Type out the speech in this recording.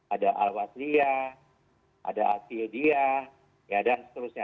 ada al wazliyah ada al syudiyah dan seterusnya